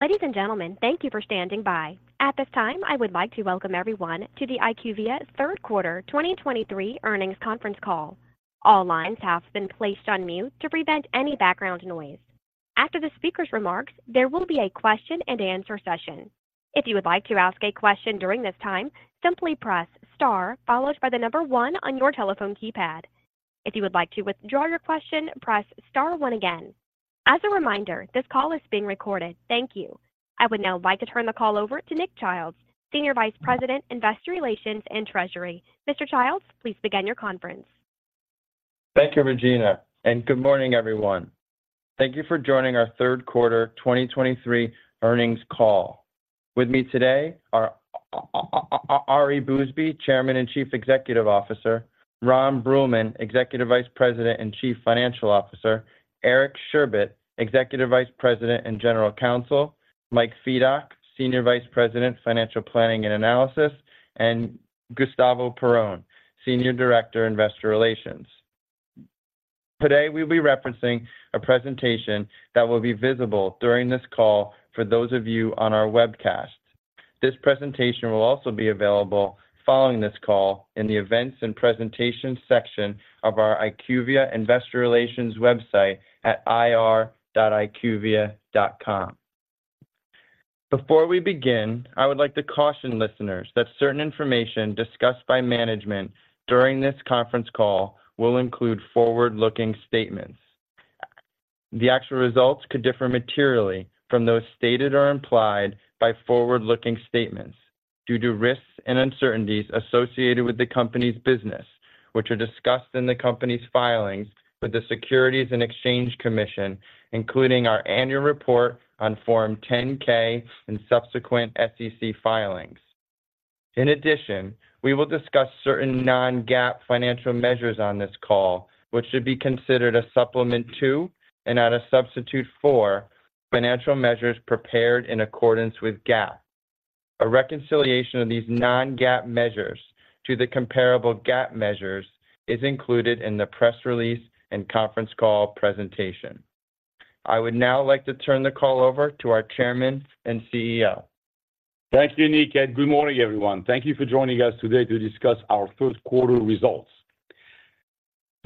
Ladies and gentlemen, thank you for standing by. At this time, I would like to welcome everyone to the IQVIA third quarter 2023 earnings conference call. All lines have been placed on mute to prevent any background noise. After the speaker's remarks, there will be a question-and-answer session. If you would like to ask a question during this time, simply press Star followed by the number one on your telephone keypad. If you would like to withdraw your question, press Star again. As a reminder, this call is being recorded. Thank you. I would now like to turn the call over to Nick Childs, Senior Vice President, Investor Relations and Treasury. Mr. Childs, please begin your conference. Thank you, Regina, and good morning, everyone. Thank you for joining our third quarter 2023 earnings call. With me today are Ari Bousbib, Chairman and Chief Executive Officer, Ron Bruehlman, Executive Vice President and Chief Financial Officer, Eric Sherbet, Executive Vice President and General Counsel, Mike Fedock, Senior Vice President, Financial Planning and Analysis, and Gustavo Perrone, Senior Director, Investor Relations. Today, we'll be referencing a presentation that will be visible during this call for those of you on our webcast. This presentation will also be available following this call in the Events and Presentation section of our IQVIA Investor Relations website at ir.iqvia.com. Before we begin, I would like to caution listeners that certain information discussed by management during this conference call will include forward-looking statements. The actual results could differ materially from those stated or implied by forward-looking statements due to risks and uncertainties associated with the company's business, which are discussed in the company's filings with the Securities and Exchange Commission, including our annual report on Form 10-K and subsequent SEC filings. In addition, we will discuss certain non-GAAP financial measures on this call, which should be considered a supplement to, and not a substitute for, financial measures prepared in accordance with GAAP. A reconciliation of these non-GAAP measures to the comparable GAAP measures is included in the press release and conference call presentation. I would now like to turn the call over to our Chairman and CEO. Thank you, Nick, and good morning, everyone. Thank you for joining us today to discuss our third quarter results.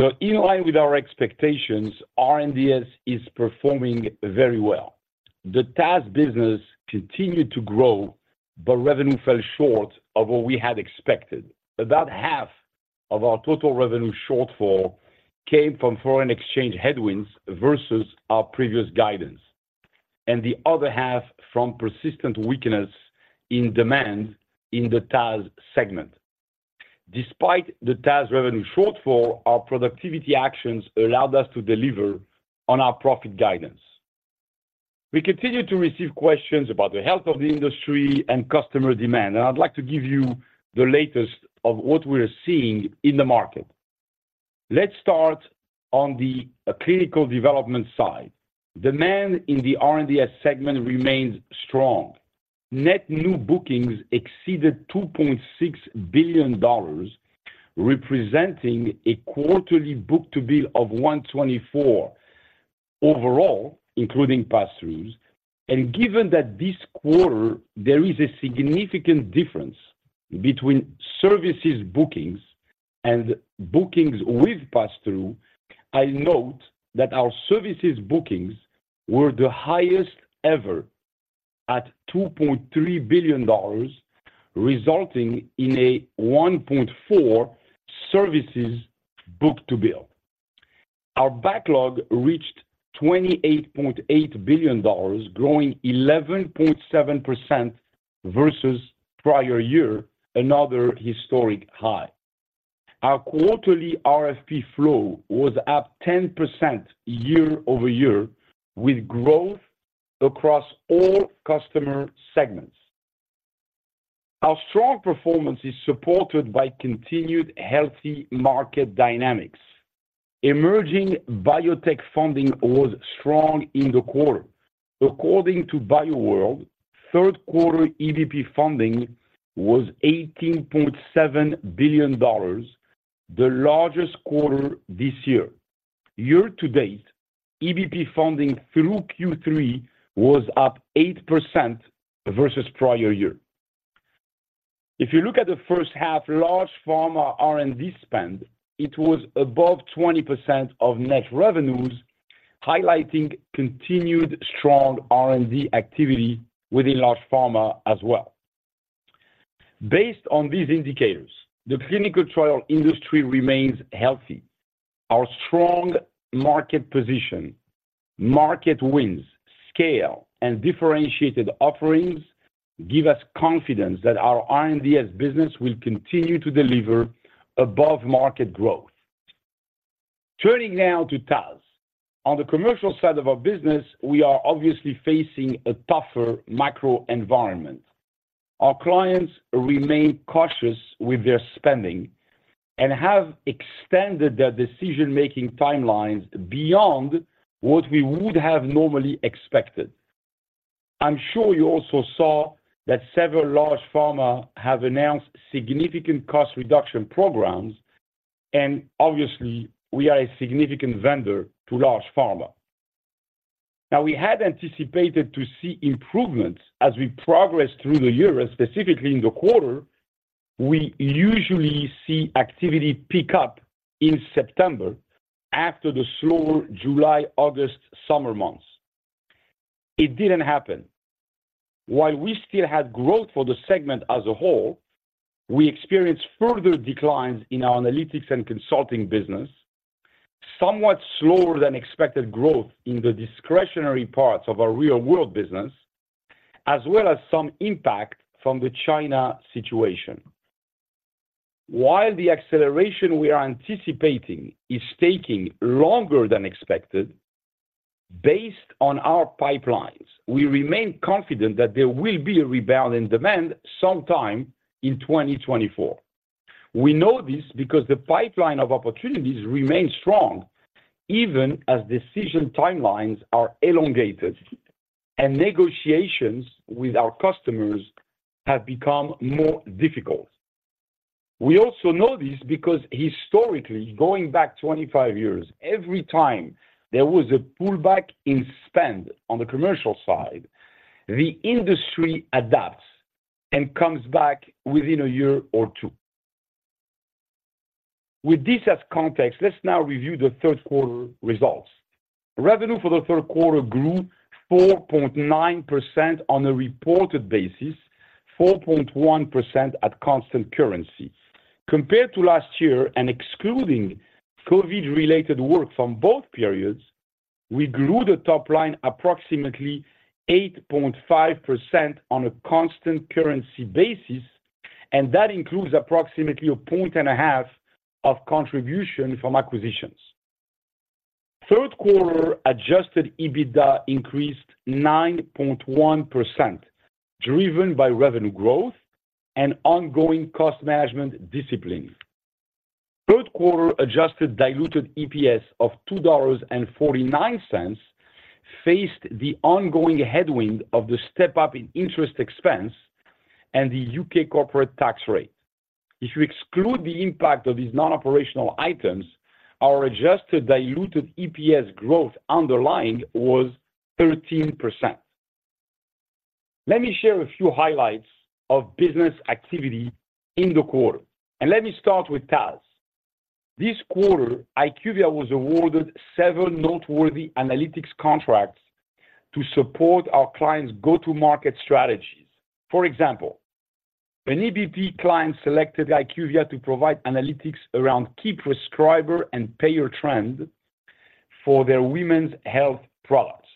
So in line with our expectations, R&DS is performing very well. The TAS business continued to grow, but revenue fell short of what we had expected. About half of our total revenue shortfall came from foreign exchange headwinds versus our previous guidance, and the other half from persistent weakness in demand in the TAS segment. Despite the TAS revenue shortfall, our productivity actions allowed us to deliver on our profit guidance. We continue to receive questions about the health of the industry and customer demand, and I'd like to give you the latest of what we are seeing in the market. Let's start on the clinical development side. Demand in the R&DS segment remains strong. Net new bookings exceeded $2.6 billion, representing a quarterly book-to-bill of 1.24 overall, including passthroughs. Given that this quarter there is a significant difference between services bookings and bookings with passthrough, I note that our services bookings were the highest ever at $2.3 billion, resulting in a 1.4 services book-to-bill. Our backlog reached $28.8 billion, growing 11.7% versus prior year, another historic high. Our quarterly RFP flow was up 10% year-over-year, with growth across all customer segments. Our strong performance is supported by continued healthy market dynamics. Emerging biotech funding was strong in the quarter. According to BioWorld, third quarter EBP funding was $18.7 billion, the largest quarter this year. Year to date, EBP funding through Q3 was up 8% versus prior year. If you look at the first half, large pharma R&D spend, it was above 20% of net revenues, highlighting continued strong R&D activity within large pharma as well. Based on these indicators, the clinical trial industry remains healthy. Our strong market position, market wins, scale, and differentiated offerings give us confidence that our R&DS business will continue to deliver above-market growth. Turning now to TAS. On the commercial side of our business, we are obviously facing a tougher macro environment. Our clients remain cautious with their spending and have extended their decision-making timelines beyond what we would have normally expected. I'm sure you also saw that several large pharma have announced significant cost reduction programs... And obviously, we are a significant vendor to large pharma. Now, we had anticipated to see improvements as we progress through the year, and specifically in the quarter, we usually see activity pick up in September after the slower July, August summer months. It didn't happen. While we still had growth for the segment as a whole, we experienced further declines in our analytics and consulting business, somewhat slower than expected growth in the discretionary parts of our real-world business, as well as some impact from the China situation. While the acceleration we are anticipating is taking longer than expected, based on our pipelines, we remain confident that there will be a rebound in demand sometime in 2024. We know this because the pipeline of opportunities remains strong, even as decision timelines are elongated and negotiations with our customers have become more difficult. We also know this because historically, going back 25 years, every time there was a pullback in spend on the commercial side, the industry adapts and comes back within a year or two. With this as context, let's now review the third quarter results. Revenue for the third quarter grew 4.9% on a reported basis, 4.1% at constant currency. Compared to last year and excluding COVID-related work from both periods, we grew the top line approximately 8.5% on a constant currency basis, and that includes approximately 1.5 points of contribution from acquisitions. Third quarter Adjusted EBITDA increased 9.1%, driven by revenue growth and ongoing cost management discipline. Third quarter Adjusted Diluted EPS of $2.49 faced the ongoing headwind of the step-up in interest expense and the U.K. corporate tax rate. If you exclude the impact of these non-operational items, our adjusted diluted EPS growth underlying was 13%. Let me share a few highlights of business activity in the quarter, and let me start with TAS. This quarter, IQVIA was awarded several noteworthy analytics contracts to support our clients' go-to-market strategies. For example, an EBP client selected IQVIA to provide analytics around key prescriber and payer trend for their women's health products.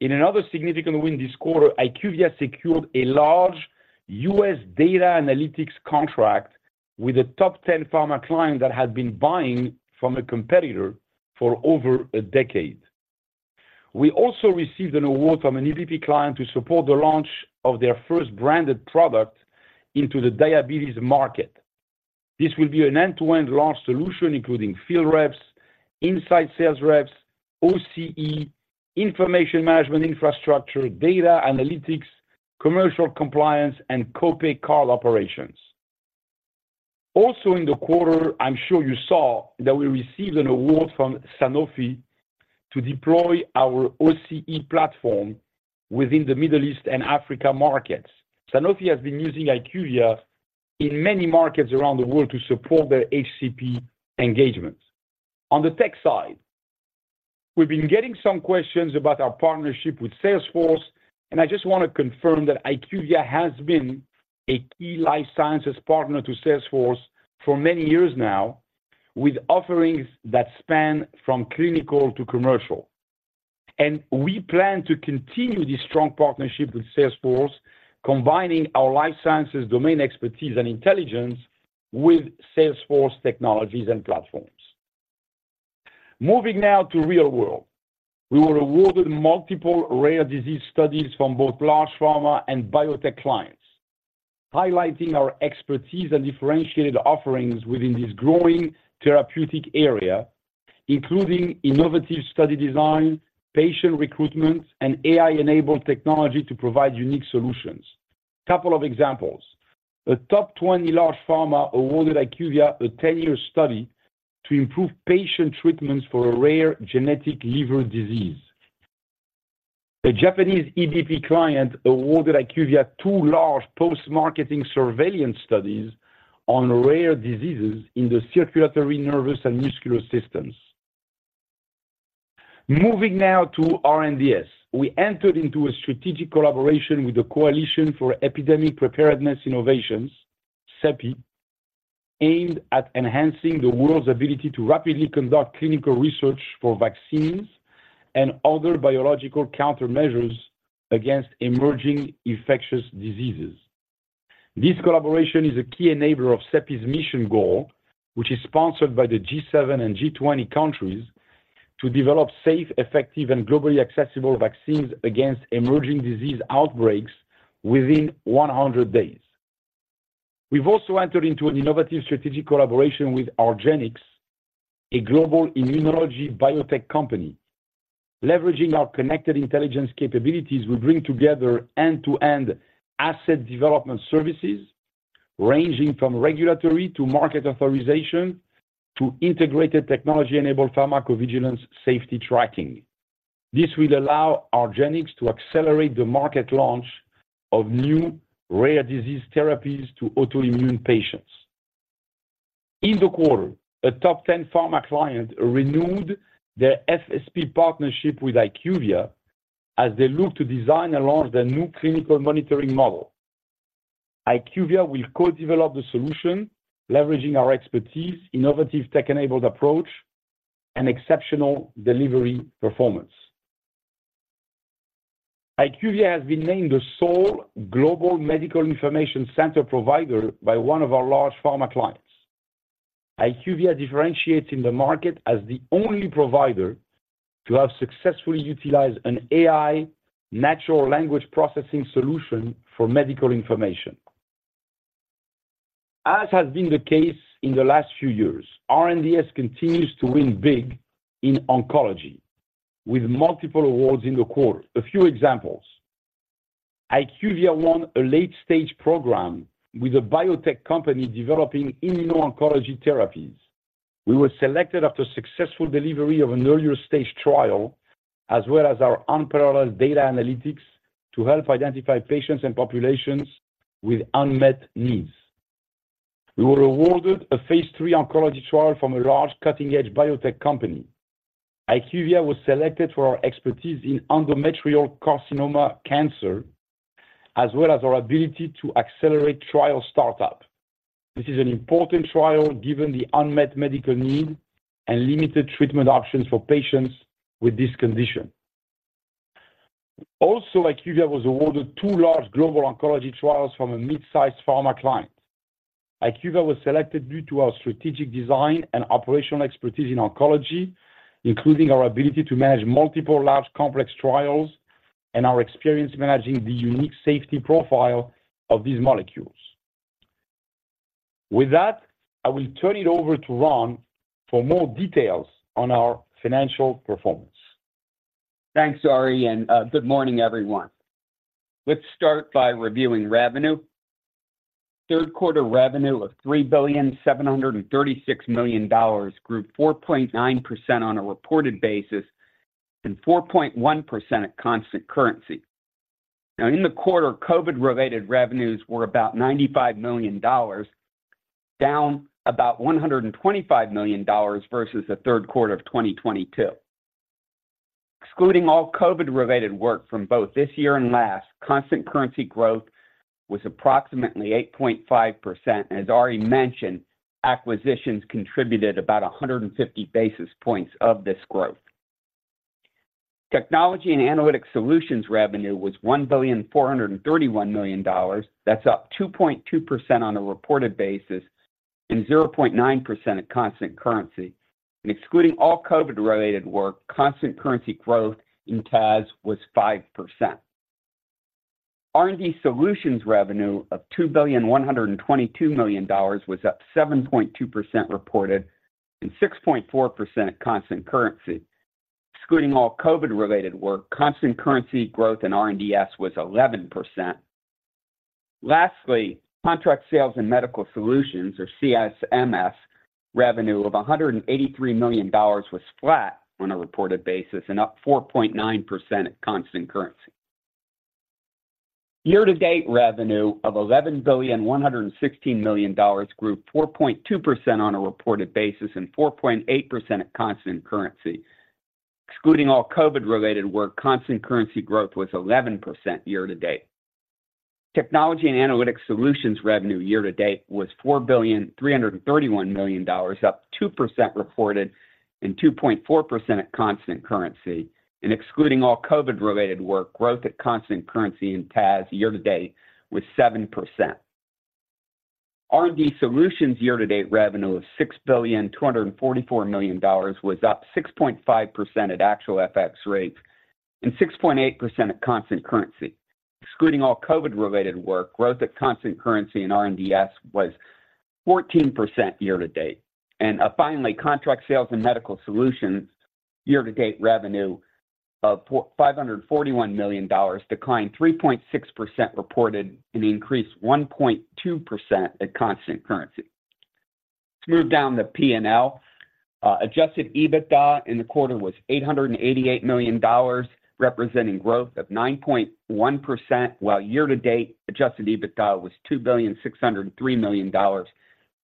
In another significant win this quarter, IQVIA secured a large U.S. data analytics contract with a top 10 pharma client that had been buying from a competitor for over a decade. We also received an award from an EBP client to support the launch of their first branded product into the diabetes market. This will be an end-to-end launch solution, including field reps, inside sales reps, OCE, information management infrastructure, data analytics, commercial compliance, and co-pay card operations. Also in the quarter, I'm sure you saw that we received an award from Sanofi to deploy our OCE platform within the Middle East and Africa markets. Sanofi has been using IQVIA in many markets around the world to support their HCP engagements. On the tech side, we've been getting some questions about our partnership with Salesforce, and I just want to confirm that IQVIA has been a key life sciences partner to Salesforce for many years now, with offerings that span from clinical to commercial. And we plan to continue this strong partnership with Salesforce, combining our life sciences, domain expertise and intelligence with Salesforce technologies and platforms. Moving now to the real world. We were awarded multiple rare disease studies from both large pharma and biotech clients, highlighting our expertise and differentiated offerings within this growing therapeutic area, including innovative study design, patient recruitment, and AI-enabled technology to provide unique solutions. A couple of examples: A top 20 large pharma awarded IQVIA a 10-year study to improve patient treatments for a rare genetic liver disease. A Japanese EBP client awarded IQVIA two large post-marketing surveillance studies on rare diseases in the circulatory, nervous, and muscular systems. Moving now to R&DS. We entered into a strategic collaboration with the Coalition for Epidemic Preparedness Innovations, CEPI, aimed at enhancing the world's ability to rapidly conduct clinical research for vaccines and other biological countermeasures against emerging infectious diseases. This collaboration is a key enabler of CEPI's mission goal, which is sponsored by the G7 and G20 countries, to develop safe, effective, and globally accessible vaccines against emerging disease outbreaks within 100 days. We've also entered into an innovative strategic collaboration with argenx, a global immunology biotech company. Leveraging our Connected Intelligence capabilities, we bring together end-to-end asset development services, ranging from regulatory to market authorization, to integrated technology-enabled pharmacovigilance safety tracking. This will allow argenx to accelerate the market launch of new rare disease therapies to autoimmune patients. In the quarter, a top 10 pharma client renewed their FSP partnership with IQVIA as they look to design and launch their new clinical monitoring model. IQVIA will co-develop the solution, leveraging our expertise, innovative tech-enabled approach, and exceptional delivery performance. IQVIA has been named the sole global medical information center provider by one of our large pharma clients. IQVIA differentiates in the market as the only provider to have successfully utilized an AI natural language processing solution for medical information. As has been the case in the last few years, R&DS continues to win big in oncology, with multiple awards in the quarter. A few examples: IQVIA won a late-stage program with a biotech company developing immuno-oncology therapies. We were selected after successful delivery of an earlier-stage trial, as well as our unparalleled data analytics to help identify patients and populations with unmet needs. We were awarded a phase three oncology trial from a large, cutting-edge biotech company. IQVIA was selected for our expertise in endometrial carcinoma cancer, as well as our ability to accelerate trial startup. This is an important trial, given the unmet medical need and limited treatment options for patients with this condition. Also, IQVIA was awarded two large global oncology trials from a mid-sized pharma client. IQVIA was selected due to our strategic design and operational expertise in oncology, including our ability to manage multiple large, complex trials and our experience managing the unique safety profile of these molecules. With that, I will turn it over to Ron for more details on our financial performance. Thanks, Ari, and good morning, everyone. Let's start by reviewing revenue. Third quarter revenue of $3,736 million grew 4.9% on a reported basis and 4.1% at constant currency. Now, in the quarter, COVID-related revenues were about $95 million, down about $125 million versus the third quarter of 2022. Excluding all COVID-related work from both this year and last, constant currency growth was approximately 8.5%. As Ari mentioned, acquisitions contributed about 150 basis points of this growth. Technology and Analytics Solutions revenue was $1,431 million. That's up 2.2% on a reported basis and 0.9% at constant currency. And excluding all COVID-related work, constant currency growth in TAS was 5%. R&D Solutions revenue of $2.122 billion was up 7.2% reported and 6.4% at constant currency. Excluding all COVID-related work, constant currency growth in R&DS was 11%. Lastly, Contract Sales and Medical Solutions, or CSMS, revenue of $183 million was flat on a reported basis and up 4.9% at constant currency. Year-to-date revenue of $11.116 billion grew 4.2% on a reported basis and 4.8% at constant currency. Excluding all COVID-related work, constant currency growth was 11% year to date. Technology and Analytics Solutions revenue year to date was $4.331 billion, up 2% reported and 2.4% at constant currency. And excluding all COVID-related work, growth at constant currency in TAS year to date was 7%. R&D Solutions year-to-date revenue of $6.244 billion was up 6.5% at actual FX rates and 6.8% at constant currency. Excluding all COVID-related work, growth at constant currency in R&DS was 14% year to date. And, finally, Contract Sales and Medical Solutions year-to-date revenue of $451 million declined 3.6% reported and increased 1.2% at constant currency. Let's move down the P&L. Adjusted EBITDA in the quarter was $888 million, representing growth of 9.1%, while year to date, adjusted EBITDA was $2.603 billion,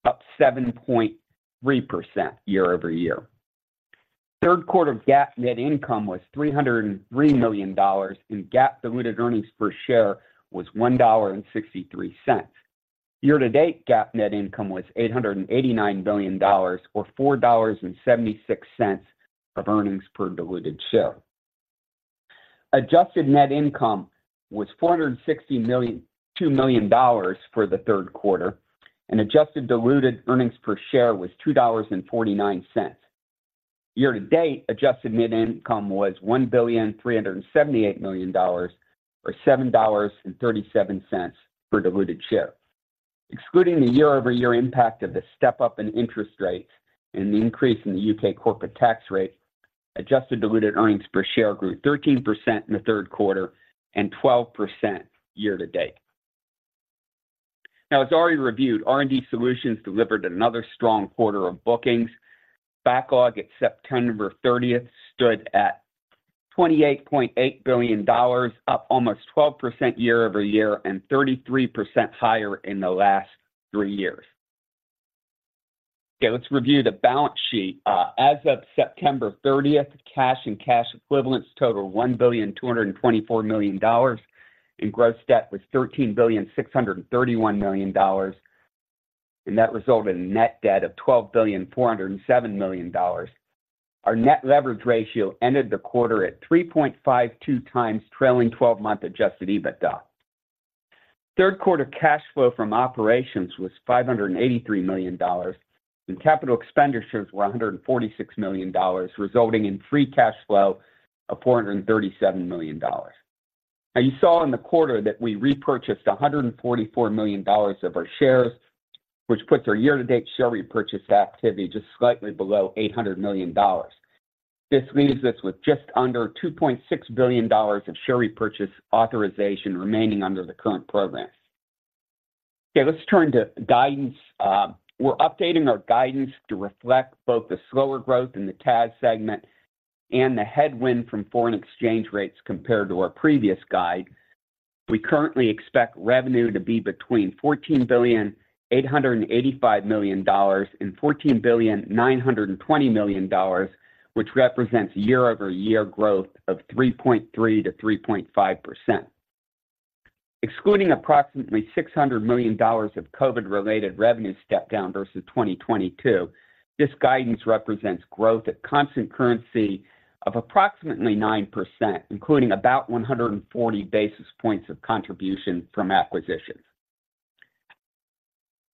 up 7.3% year-over-year. Third quarter GAAP net income was $303 million, and GAAP diluted earnings per share was $1.63. Year-to-date, GAAP net income was $889 million, or $4.76 of earnings per diluted share. Adjusted net income was $462 million for the third quarter, and adjusted diluted earnings per share was $2.49. Year-to-date, adjusted net income was $1.378 billion, or $7.37 per diluted share. Excluding the year-over-year impact of the step-up in interest rates and the increase in the U.K. corporate tax rate, adjusted diluted earnings per share grew 13% in the third quarter and 12% year-to-date. Now, as already reviewed, R&D Solutions delivered another strong quarter of bookings. Backlog at September 30 stood at $28.8 billion, up almost 12% year-over-year, and 33% higher in the last three years. Okay, let's review the balance sheet. As of September 30, cash and cash equivalents total $1.224 billion, and gross debt was $13.631 billion, and that resulted in net debt of $12.407 billion. Our net leverage ratio ended the quarter at 3.52x trailing twelve-month Adjusted EBITDA. Third quarter cash flow from operations was $583 million, and capital expenditures were $146 million, resulting in free cash flow of $437 million. Now, you saw in the quarter that we repurchased $144 million of our shares, which puts our year-to-date share repurchase activity just slightly below $800 million. This leaves us with just under $2.6 billion of share repurchase authorization remaining under the current program. Okay, let's turn to guidance. We're updating our guidance to reflect both the slower growth in the TAS segment and the headwind from foreign exchange rates compared to our previous guide. We currently expect revenue to be between $14.885 billion and $14.92 billion, which represents year-over-year growth of 3.3%-3.5%. Excluding approximately $600 million of COVID-related revenue step down versus 2022, this guidance represents growth at constant currency of approximately 9%, including about 140 basis points of contribution from acquisitions.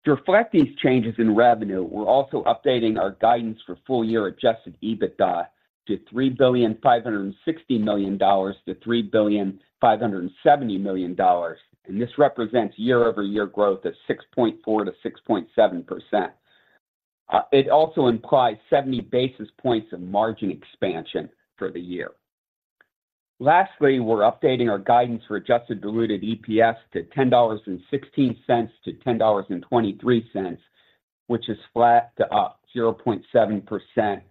To reflect these changes in revenue, we're also updating our guidance for full-year adjusted EBITDA to $3.56 billion-$3.57 billion, and this represents year-over-year growth of 6.4%-6.7%. It also implies 70 basis points of margin expansion for the year. Lastly, we're updating our guidance for adjusted diluted EPS to $10.16-$10.23, which is flat to up 0.7%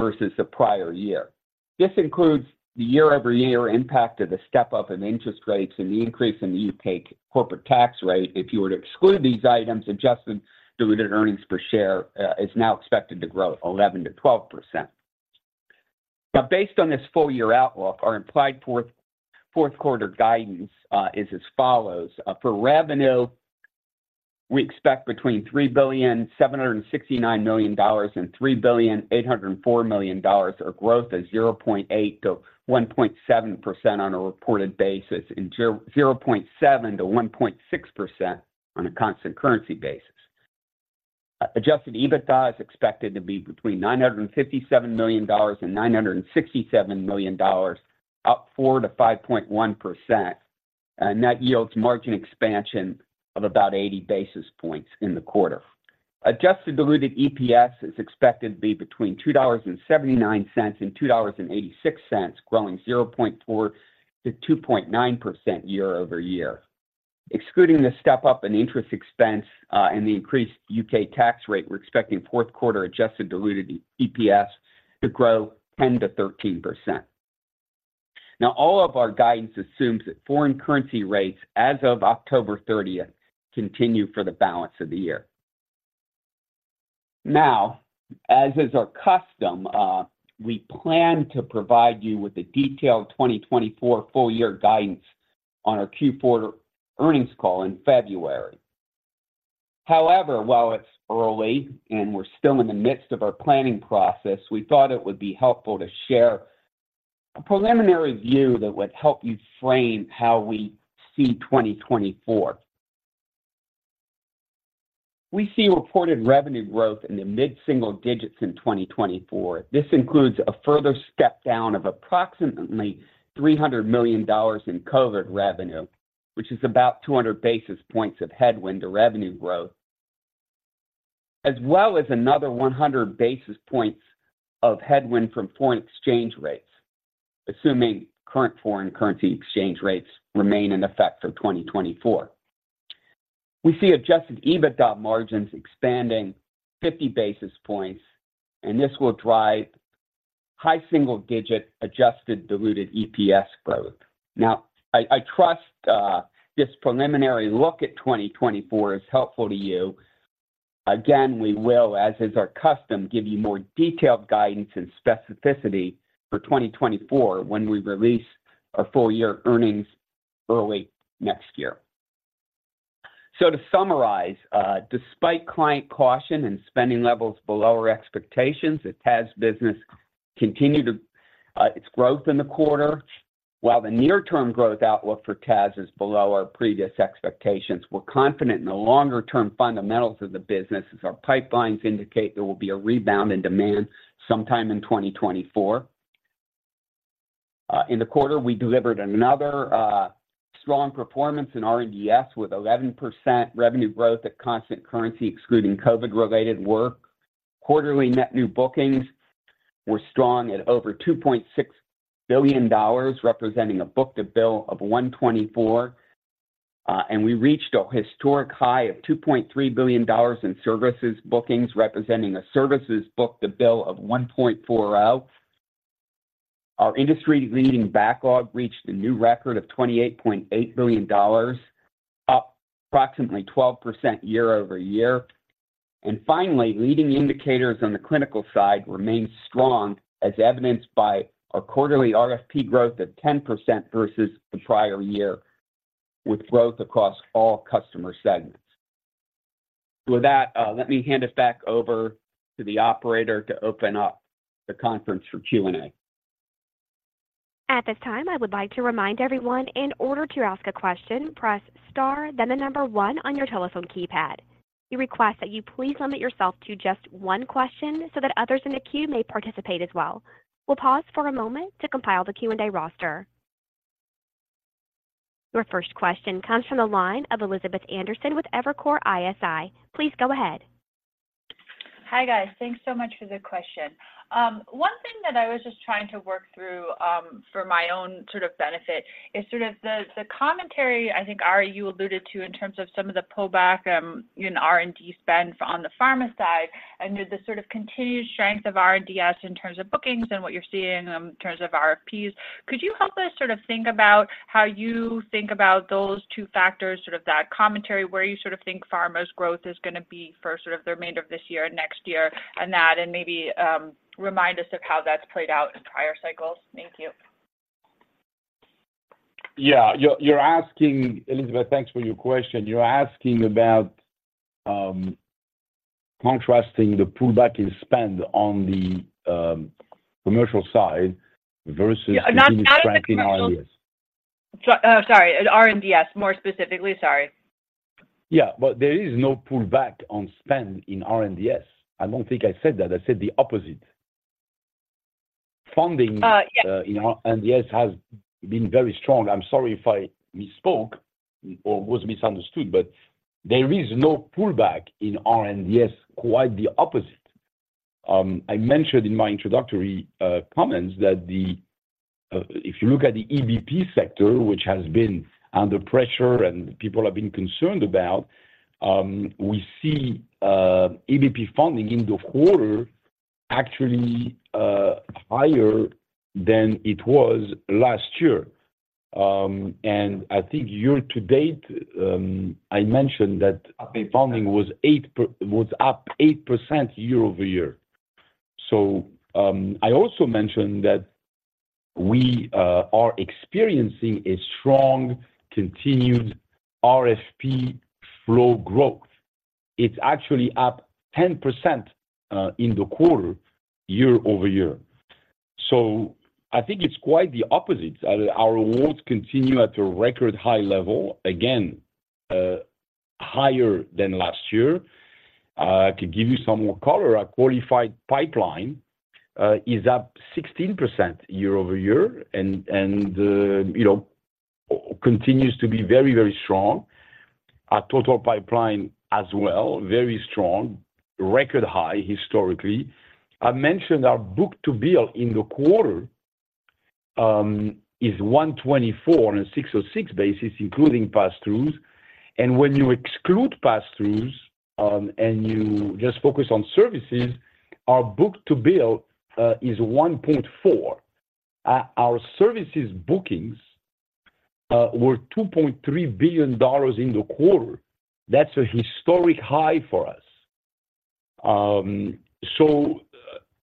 versus the prior year. This includes the year-over-year impact of the step-up in interest rates and the increase in the UK corporate tax rate. If you were to exclude these items, adjusted diluted earnings per share is now expected to grow 11%-12%. Now, based on this full-year outlook, our implied fourth quarter guidance is as follows: For revenue, we expect between $3,769 million and $3,804 million, or growth of 0.8%-1.7% on a reported basis and 0.7%-1.6% on a constant currency basis. Adjusted EBITDA is expected to be between $957 million and $967 million, up 4%-5.1%. Net yields margin expansion of about 80 basis points in the quarter. Adjusted diluted EPS is expected to be between $2.79 and $2.86, growing 0.4%-2.9% year-over-year. Excluding the step-up in interest expense, and the increased U.K. tax rate, we're expecting fourth quarter adjusted diluted EPS to grow 10%-13%. Now, all of our guidance assumes that foreign currency rates as of October 30 continue for the balance of the year. Now, as is our custom, we plan to provide you with a detailed 2024 full-year guidance on our Q4 earnings call in February. However, while it's early and we're still in the midst of our planning process, we thought it would be helpful to share a preliminary view that would help you frame how we see 2024. We see reported revenue growth in the mid-single digits in 2024. This includes a further step down of approximately $300 million in COVID revenue, which is about 200 basis points of headwind to revenue growth, as well as another 100 basis points of headwind from foreign exchange rates, assuming current foreign currency exchange rates remain in effect for 2024. We see Adjusted EBITDA margins expanding 50 basis points, and this will drive high single-digit Adjusted Diluted EPS growth. Now, I trust this preliminary look at 2024 is helpful to you. Again, we will, as is our custom, give you more detailed guidance and specificity for 2024 when we release our full-year earnings early next year. So to summarize, despite client caution and spending levels below our expectations, the TAS business continued its growth in the quarter. While the near-term growth outlook for TAS is below our previous expectations, we're confident in the longer-term fundamentals of the business, as our pipelines indicate there will be a rebound in demand sometime in 2024. In the quarter, we delivered another, strong performance in R&DS, with 11% revenue growth at constant currency, excluding COVID-related work. Quarterly net new bookings were strong at over $2.6 billion, representing a book-to-bill of 1.24. And we reached a historic high of $2.3 billion in services bookings, representing a services book-to-bill of 1.40. Our industry-leading backlog reached a new record of $28.8 billion, up approximately 12% year-over-year. And finally, leading indicators on the clinical side remained strong, as evidenced by our quarterly RFP growth of 10% versus the prior year, with growth across all customer segments. With that, let me hand it back over to the operator to open up the conference for Q&A. At this time, I would like to remind everyone, in order to ask a question, press star, then the number one on your telephone keypad. We request that you please limit yourself to just one question so that others in the queue may participate as well. We'll pause for a moment to compile the Q&A roster. Your first question comes from the line of Elizabeth Anderson with Evercore ISI. Please go ahead. Hi, guys. Thanks so much for the question. One thing that I was just trying to work through, for my own sort of benefit is sort of the, the commentary I think, Ari, you alluded to in terms of some of the pullback, in R&D spend on the pharma side and the, the sort of continued strength of R&DS in terms of bookings and what you're seeing, in terms of RFPs. Could you help us sort of think about how you think about those two factors, sort of that commentary, where you sort of think pharma's growth is gonna be for sort of the remainder of this year and next year, and that, and maybe, remind us of how that's played out in prior cycles? Thank you. Yeah, you're asking, Elizabeth, thanks for your question. You're asking about contrasting the pullback in spend on the commercial side versus- Yeah, not in the commercial- Strength in R&DS. Sorry, R&DS, more specifically. Sorry. Yeah, but there is no pullback on spend in R&DS. I don't think I said that. I said the opposite. Funding- Uh, yeah... in R&DS has been very strong. I'm sorry if I misspoke or was misunderstood, but there is no pullback in R&DS. Quite the opposite. I mentioned in my introductory comments that if you look at the EBP sector, which has been under pressure and people have been concerned about, we see EBP funding in the quarter actually higher than it was last year. And I think year to date, I mentioned that- Up 8%.... funding was up 8% year-over-year. So, I also mentioned that we are experiencing a strong, continued RFP flow growth. It's actually up 10%, in the quarter, year-over-year. So I think it's quite the opposite. Our awards continue at a record high level, again, higher than last year. To give you some more color, our qualified pipeline is up 16% year-over-year and, you know, continues to be very, very strong. Our total pipeline as well, very strong, record high historically. I mentioned our book-to-bill in the quarter is 1.24 on a 6-0-6 basis, including passthroughs. And when you exclude passthroughs and you just focus on services, our book-to-bill is 1.4. Our services bookings were $2.3 billion in the quarter. That's a historic high for us. So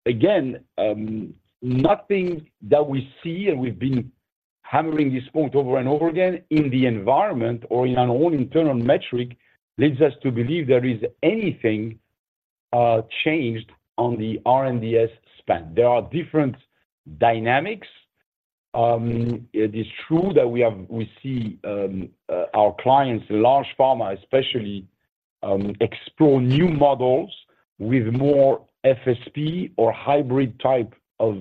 again, nothing that we see, and we've been hammering this point over and over again in the environment or in our own internal metric, leads us to believe there is anything changed on the R&DS spend. There are different dynamics. It is true that we see our clients, large pharma especially, explore new models with more FSP or hybrid type of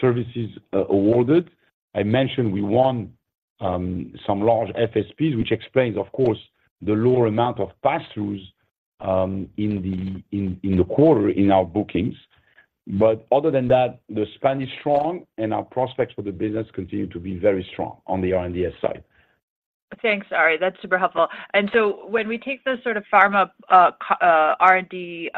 services awarded. I mentioned we won some large FSPs, which explains, of course, the lower amount of passthroughs in the quarter in our bookings. But other than that, the spend is strong and our prospects for the business continue to be very strong on the R&DS side. Thanks, Ari. That's super helpful. And so when we take the sort of pharma, R&D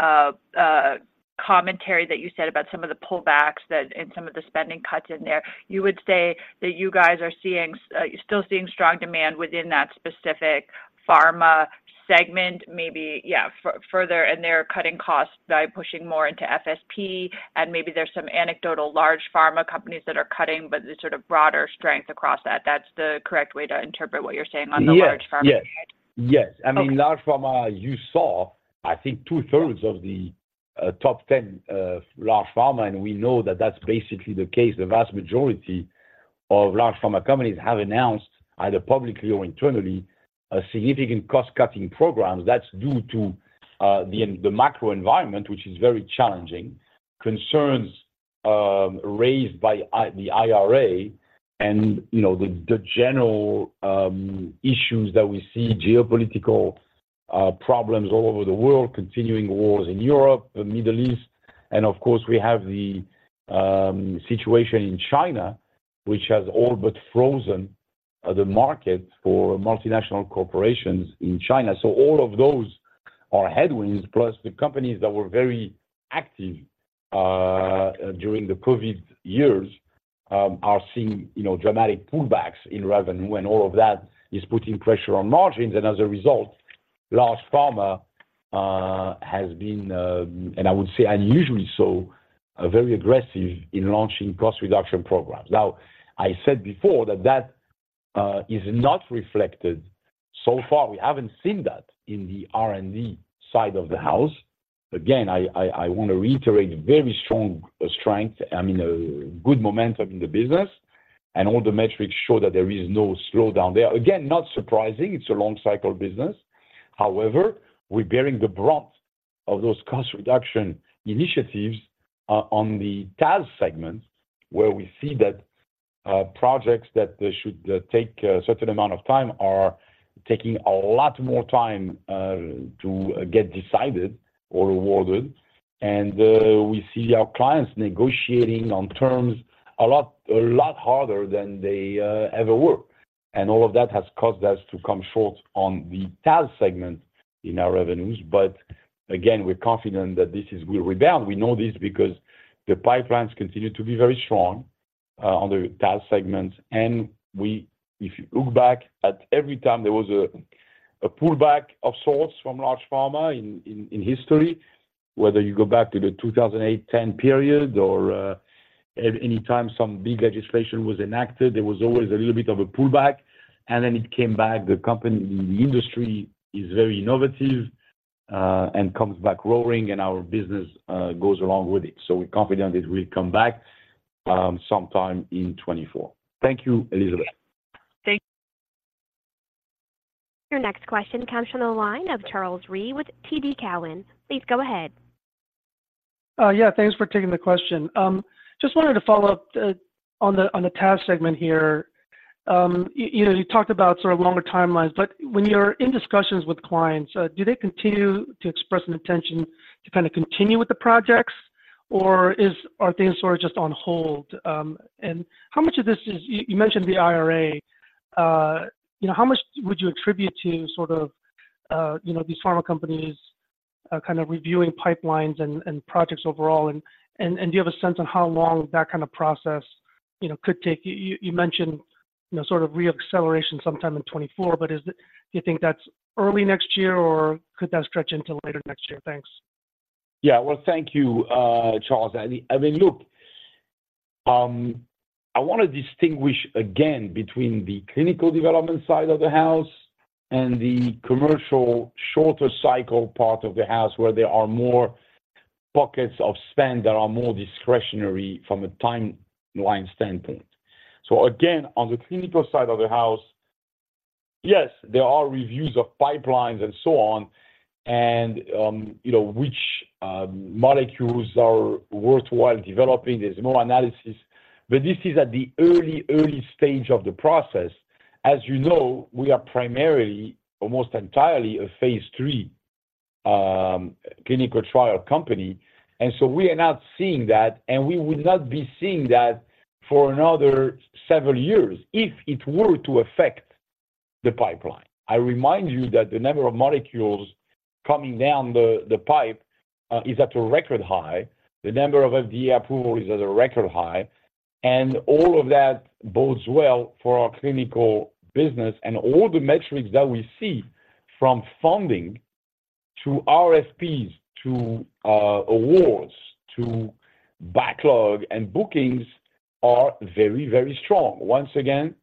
commentary that you said about some of the pullbacks that, and some of the spending cuts in there, you would say that you guys are seeing, you're still seeing strong demand within that specific pharma segment? Maybe, yeah, further, and they're cutting costs by pushing more into FSP, and maybe there's some anecdotal large pharma companies that are cutting, but the sort of broader strength across that. That's the correct way to interpret what you're saying on the large pharma side?... Yes, I mean, large pharma, you saw, I think 2/3 of the top 10 large pharma, and we know that that's basically the case. The vast majority of large pharma companies have announced, either publicly or internally, a significant cost-cutting program that's due to the macro environment, which is very challenging. Concerns raised by the IRA and, you know, the general issues that we see, geopolitical problems all over the world, continuing wars in Europe, the Middle East, and of course, we have the situation in China, which has all but frozen the market for multinational corporations in China. So all of those are headwinds, plus the companies that were very active during the COVID years are seeing, you know, dramatic pullbacks in revenue, and all of that is putting pressure on margins. And as a result, large pharma has been, and I would say unusually so, very aggressive in launching cost reduction programs. Now, I said before that that is not reflected. So far, we haven't seen that in the R&D side of the house. Again, I want to reiterate, very strong strength, I mean, a good momentum in the business, and all the metrics show that there is no slowdown there. Again, not surprising, it's a long cycle business. However, we're bearing the brunt of those cost reduction initiatives on the TAS segment, where we see that projects that should take a certain amount of time are taking a lot more time to get decided or awarded. And we see our clients negotiating on terms a lot, a lot harder than they ever were. All of that has caused us to come short on the TAS segment in our revenues. But again, we're confident that this will rebound. We know this because the pipelines continue to be very strong on the TAS segments. And if you look back at every time there was a pullback of sorts from large pharma in history, whether you go back to the 2008-2010 period or anytime some big legislation was enacted, there was always a little bit of a pullback, and then it came back. The company, the industry is very innovative and comes back roaring, and our business goes along with it. So we're confident it will come back sometime in 2024. Thank you, Elizabeth. Thank- Your next question comes from the line of Charles Rhyee with TD Cowen. Please go ahead. Yeah, thanks for taking the question. Just wanted to follow up on the TAS segment here. You know, you talked about sort of longer timelines, but when you're in discussions with clients, do they continue to express an intention to kind of continue with the projects, or are things sort of just on hold? And how much of this is, you mentioned, the IRA, you know, how much would you attribute to sort of, you know, these pharma companies kind of reviewing pipelines and do you have a sense on how long that kind of process, you know, could take? You mentioned, you know, sort of re-acceleration sometime in 2024, but do you think that's early next year, or could that stretch into later next year? Thanks. Yeah. Well, thank you, Charles. I mean, look, I want to distinguish again between the clinical development side of the house and the commercial, shorter cycle part of the house, where there are more pockets of spend that are more discretionary from a timeline standpoint. So again, on the clinical side of the house, yes, there are reviews of pipelines and so on, and you know which molecules are worthwhile developing. There's more analysis, but this is at the early, early stage of the process. As you know, we are primarily, almost entirely, a phase III clinical trial company, and so we are not seeing that, and we would not be seeing that for another several years if it were to affect the pipeline. I remind you that the number of molecules coming down the pipe is at a record high. The number of FDA approval is at a record high, and all of that bodes well for our clinical business. All the metrics that we see, from funding to RFPs, to awards, to backlog and bookings, are very, very strong. Once again,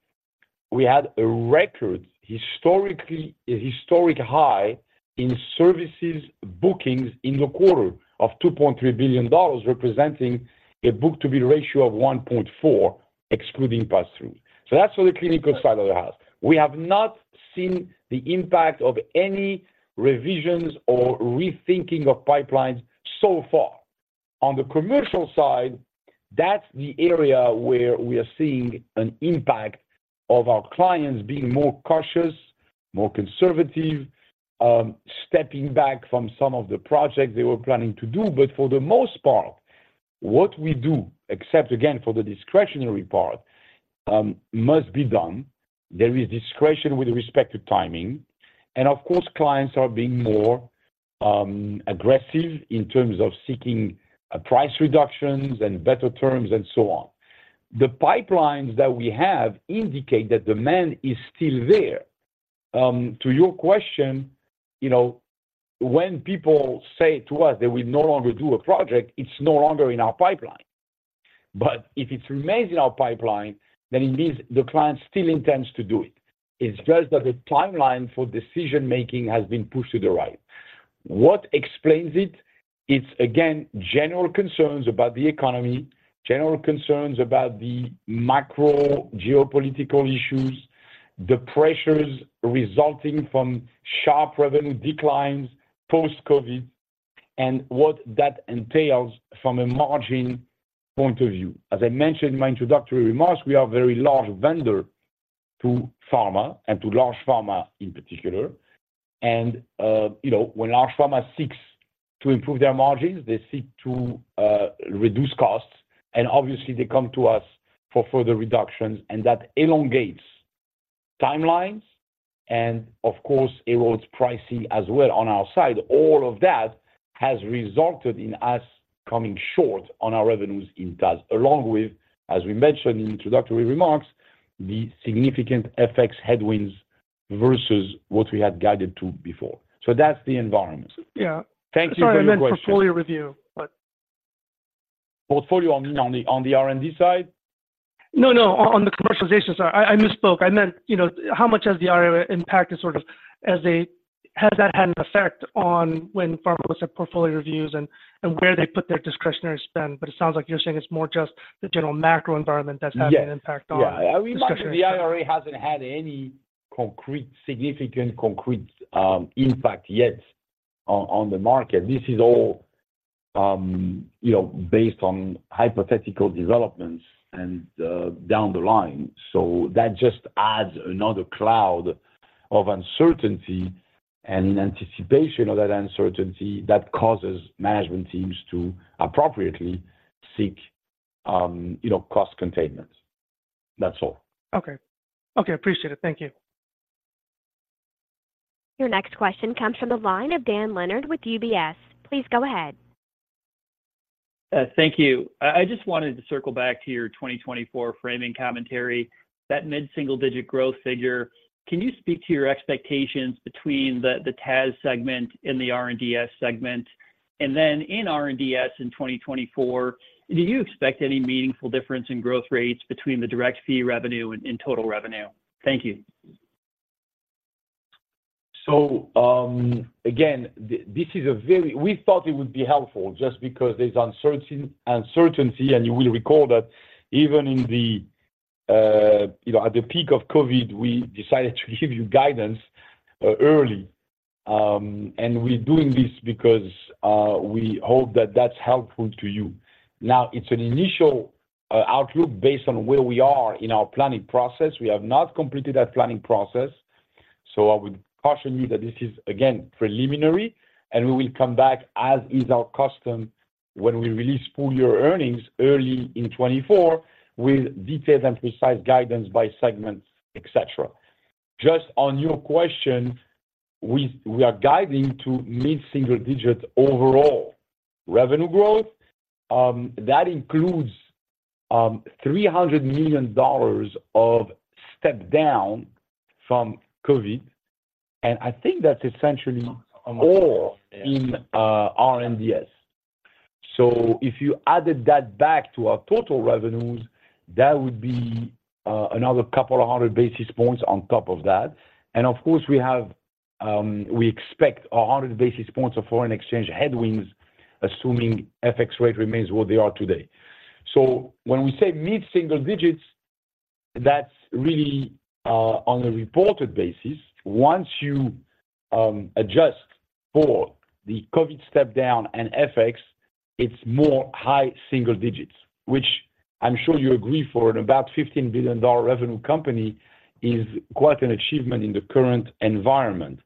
we had a record, historically, a historic high in services bookings in the quarter of $2.3 billion, representing a book-to-bill ratio of 1.4, excluding passthroughs. That's for the clinical side of the house. We have not seen the impact of any revisions or rethinking of pipelines so far. On the commercial side, that's the area where we are seeing an impact of our clients being more cautious, more conservative, stepping back from some of the projects they were planning to do. But for the most part, what we do, except again, for the discretionary part, must be done. There is discretion with respect to timing, and of course, clients are being more aggressive in terms of seeking a price reductions and better terms and so on. The pipelines that we have indicate that demand is still there. To your question, you know, when people say to us that we no longer do a project, it's no longer in our pipeline. But if it remains in our pipeline, then it means the client still intends to do it. It's just that the timeline for decision-making has been pushed to the right. What explains it? It's again general concerns about the economy, general concerns about the macro geopolitical issues, the pressures resulting from sharp revenue declines post-COVID, and what that entails from a margin point of view. As I mentioned in my introductory remarks, we are a very large vendor to pharma and to large pharma in particular. You know, when large pharma seeks to improve their margins, they seek to reduce costs, and obviously, they come to us for further reductions, and that elongates timelines, and of course, erodes pricing as well on our side. All of that has resulted in us coming short on our revenues in TAS, along with, as we mentioned in introductory remarks, the significant FX headwinds versus what we had guided to before. So that's the environment. Yeah. Thank you for your question. Sorry, I meant portfolio review, but- Portfolio on the R&D side? No, on the commercialization side. I misspoke. I meant, you know, how much has the RWE impacted sort of as a—has that had an effect on when pharma looks at portfolio reviews and where they put their discretionary spend? But it sounds like you're saying it's more just the general macro environment that's- Yeah having an impact on Yeah. We imagine the IRA hasn't had any concrete, significant concrete, impact yet on, on the market. This is all, you know, based on hypothetical developments and, down the line. So that just adds another cloud of uncertainty and anticipation of that uncertainty that causes management teams to appropriately seek, you know, cost containment. That's all. Okay. Okay, appreciate it. Thank you. Your next question comes from the line of Dan Leonard with UBS. Please go ahead. Thank you. I just wanted to circle back to your 2024 framing commentary, that mid-single-digit growth figure. Can you speak to your expectations between the TAS segment and the R&DS segment? And then in R&DS in 2024, do you expect any meaningful difference in growth rates between the direct fee revenue and total revenue? Thank you. So, again, this is a very... We thought it would be helpful just because there's uncertainty, and you will recall that even in the, you know, at the peak of COVID, we decided to give you guidance early. And we're doing this because we hope that that's helpful to you. Now, it's an initial outlook based on where we are in our planning process. We have not completed that planning process, so I would caution you that this is, again, preliminary, and we will come back, as is our custom, when we release full-year earnings early in 2024 with detailed and precise guidance by segments, etc. Just on your question, we are guiding to mid-single digits overall. Revenue growth, that includes $300 million of step down from COVID, and I think that's essentially all- Yeah in R&DS. So if you added that back to our total revenues, that would be another couple of hundred basis points on top of that. And of course, we have we expect 100 basis points of foreign exchange headwinds, assuming FX rate remains what they are today. So when we say mid-single digits, that's really on a reported basis. Once you adjust for the COVID step down and FX, it's more high single digits, which I'm sure you agree for an about $15 billion revenue company, is quite an achievement in the current environment.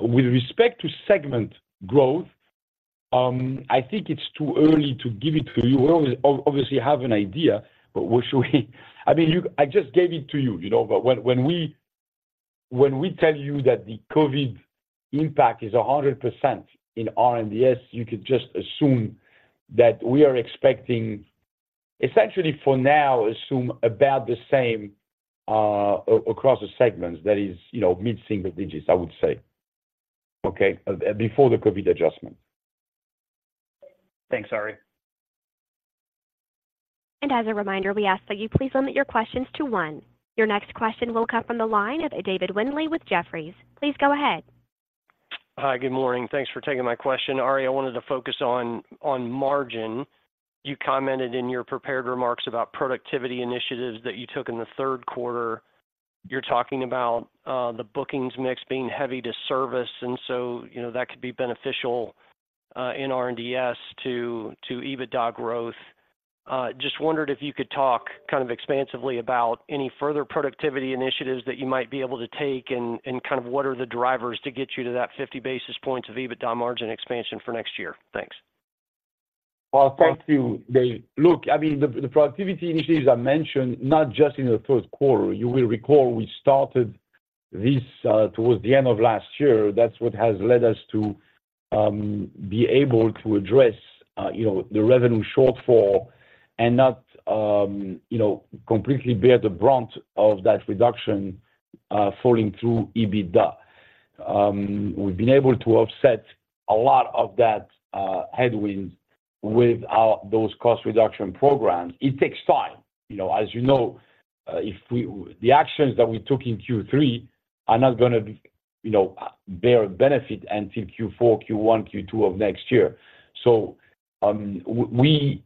With respect to segment growth, I think it's too early to give it to you. We obviously obviously have an idea, but we should... I mean, you I just gave it to you, you know. But when we tell you that the COVID impact is 100% in R&DS, you could just assume that we are expecting, essentially, for now, assume about the same across the segments. That is, you know, mid-single digits, I would say, okay? Before the COVID adjustment. Thanks, Ari. As a reminder, we ask that you please limit your questions to one. Your next question will come from the line of David Windley with Jefferies. Please go ahead. Hi, good morning. Thanks for taking my question. Ari, I wanted to focus on, on margin. You commented in your prepared remarks about productivity initiatives that you took in the third quarter. You're talking about, the bookings mix being heavy to service, and so, you know, that could be beneficial, in R&DS to, to EBITDA growth. Just wondered if you could talk kind of expansively about any further productivity initiatives that you might be able to take and, and kind of what are the drivers to get you to that 50 basis points of EBITDA margin expansion for next year. Thanks. Well, thank you, Dave. Look, I mean, the productivity initiatives I mentioned, not just in the third quarter. You will recall we started this towards the end of last year. That's what has led us to be able to address, you know, the revenue shortfall and not, you know, completely bear the brunt of that reduction falling through EBITDA. We've been able to offset a lot of that headwinds with our those cost reduction programs. It takes time. You know, as you know, the actions that we took in Q3 are not gonna be, you know, bear benefit until Q4, Q1, Q2 of next year. So, we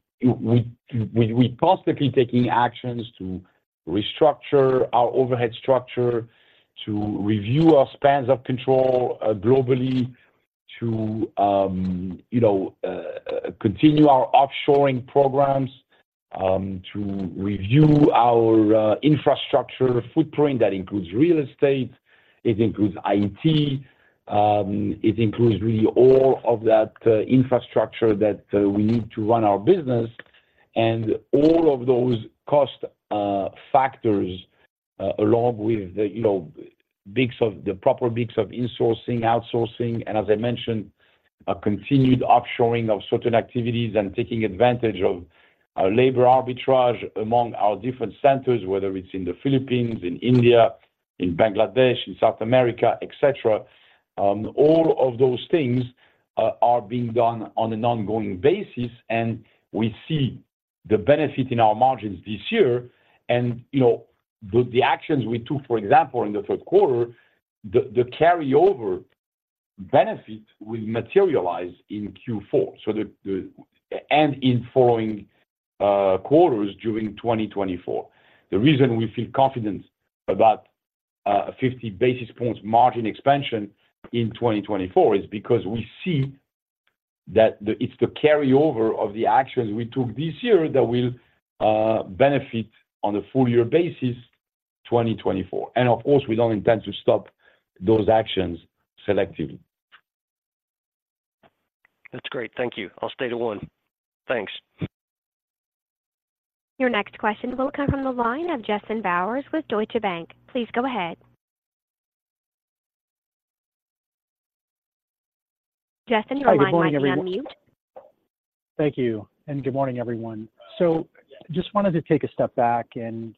constantly taking actions to restructure our overhead structure, to review our spans of control, globally, to, you know, continue our offshoring programs, to review our infrastructure footprint. That includes real estate, it includes IT, it includes really all of that infrastructure that we need to run our business. And all of those cost factors, along with the, you know, mix of the proper mix of insourcing, outsourcing, and as I mentioned, a continued offshoring of certain activities and taking advantage of our labor arbitrage among our different centers, whether it's in the Philippines, in India, in Bangladesh, in South America, et cetera. All of those things are being done on an ongoing basis, and we see the benefit in our margins this year. You know, the actions we took, for example, in the third quarter, the carryover benefit will materialize in Q4, so the and in following quarters during 2024. The reason we feel confident about 50 basis points margin expansion in 2024 is because we see that the, it's the carryover of the actions we took this year that will benefit on a full year basis, 2024. And of course, we don't intend to stop those actions selectively. That's great. Thank you. I'll stay to one. Thanks. Your next question will come from the line of Justin Bowers with Deutsche Bank. Please go ahead. Justin, your line might be on mute. Thank you, and good morning, everyone. So just wanted to take a step back and,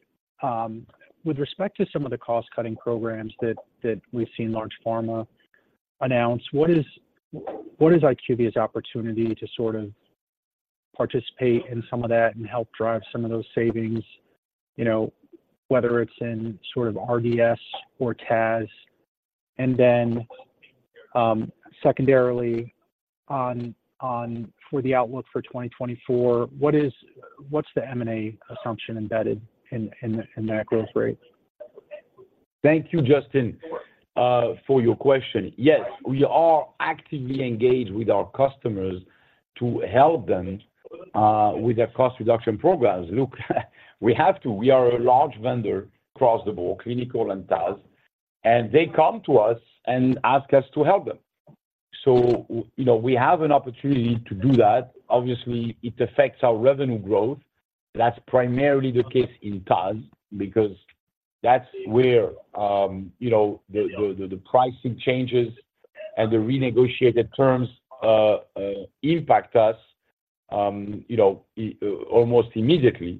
with respect to some of the cost-cutting programs that we've seen large pharma announce, what is IQVIA's opportunity to sort of participate in some of that and help drive some of those savings? You know, whether it's in sort of RDS or TAS, and then, secondarily, on for the outlook for 2024, what's the M&A assumption embedded in that growth rate? Thank you, Justin, for your question. Yes, we are actively engaged with our customers to help them with their cost reduction programs. Look, we have to. We are a large vendor across the board, clinical and TAS, and they come to us and ask us to help them. So, you know, we have an opportunity to do that. Obviously, it affects our revenue growth. That's primarily the case in TAS, because that's where you know the pricing changes and the renegotiated terms impact us, you know almost immediately.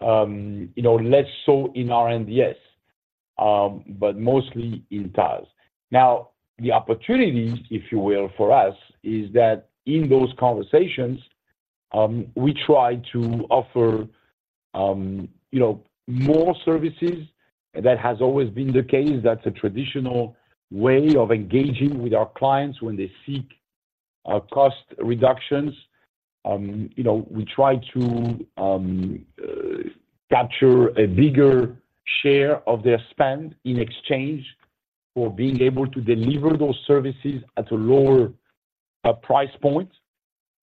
You know, less so in R&DS, but mostly in TAS. Now, the opportunity, if you will, for us, is that in those conversations, we try to offer you know more services. That has always been the case. That's a traditional way of engaging with our clients when they seek cost reductions. You know, we try to capture a bigger share of their spend in exchange for being able to deliver those services at a lower price point.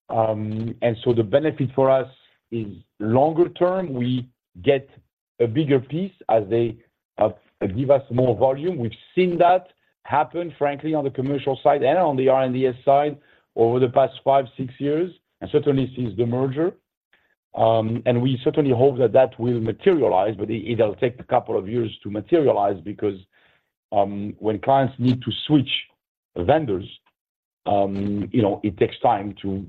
And so the benefit for us is longer term, we get a bigger piece as they give us more volume. We've seen that happen, frankly, on the commercial side and on the R&DS side over the past five, six years, and certainly since the merger. And we certainly hope that that will materialize, but it'll take a couple of years to materialize because when clients need to switch vendors, you know, it takes time to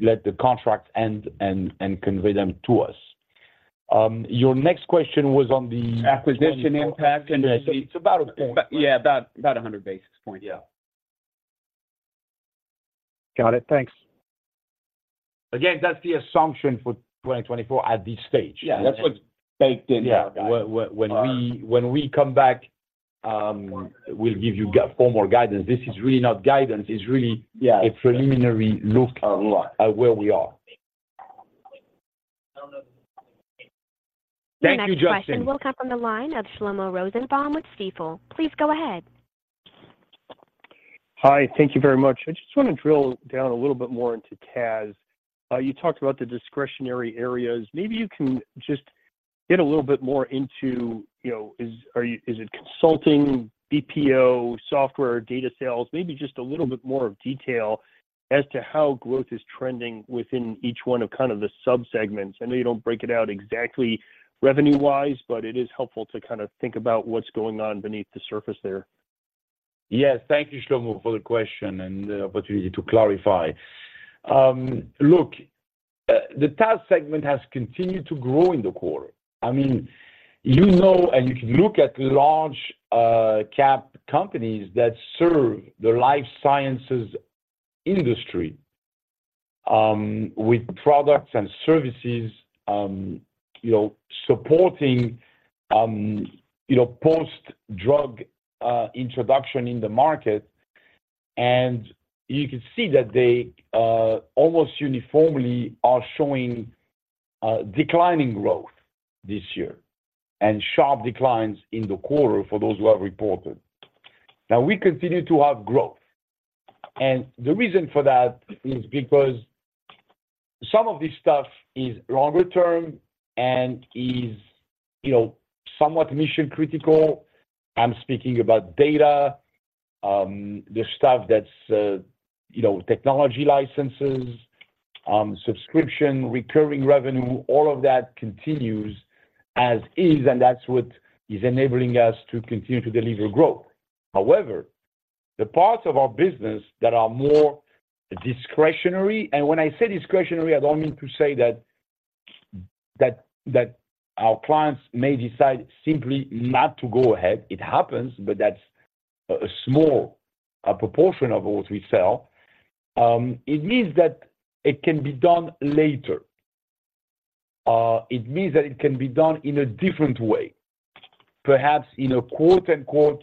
let the contract end and convey them to us. Your next question was on the- Acquisition impact. It's about a point. Yeah, about, about 100 basis points. Yeah. Got it. Thanks. Again, that's the assumption for 2024 at this stage. Yeah, that's what's baked in. Yeah. When we come back, we'll give you formal guidance. This is really not guidance. It's really- Yeah... a preliminary look- A look... at where we are. Thank you, Justin. Next question will come from the line of Shlomo Rosenbaum with Stifel. Please go ahead. Hi. Thank you very much. I just want to drill down a little bit more into TAS. You talked about the discretionary areas. Maybe you can just get a little bit more into, you know, is-- are you-- is it consulting, BPO, software, data sales? Maybe just a little bit more of detail as to how growth is trending within each one of kind of the subsegments. I know you don't break it out exactly revenue-wise, but it is helpful to kind of think about what's going on beneath the surface there.... Yes, thank you, Shlomo, for the question and the opportunity to clarify. Look, the TAS segment has continued to grow in the quarter. I mean, you know, and you can look at large-cap companies that serve the life sciences industry with products and services, you know, supporting, you know, post-drug introduction in the market. And you can see that they almost uniformly are showing declining growth this year, and sharp declines in the quarter for those who have reported. Now, we continue to have growth, and the reason for that is because some of this stuff is longer term and is, you know, somewhat mission-critical. I'm speaking about data, the stuff that's, you know, technology licenses, subscription, recurring revenue, all of that continues as is, and that's what is enabling us to continue to deliver growth. However, the parts of our business that are more discretionary, and when I say discretionary, I don't mean to say that our clients may decide simply not to go ahead. It happens, but that's a small proportion of what we sell. It means that it can be done later. It means that it can be done in a different way, perhaps in a, quote, unquote,